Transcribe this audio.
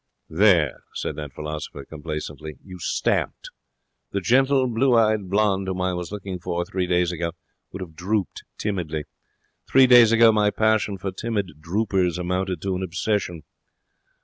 'There!' said that philosopher, complacently. 'You stamped. The gentle, blue eyed blonde whom I was looking for three days ago would have drooped timidly. Three days ago my passion for timid droopers amounted to an obsession.'